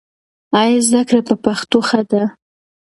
ایا زده کړه په پښتو ښه ده؟